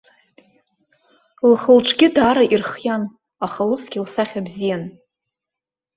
Лхы-лҿгьы даара ирхиан, аха усгьы лсахьа бзиан.